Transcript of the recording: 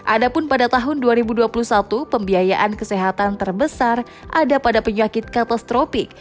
adapun pada tahun dua ribu dua puluh satu pembiayaan kesehatan terbesar ada pada penyakit katastropik